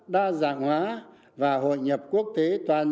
đa dạng hóa và hội nhập quốc tế toàn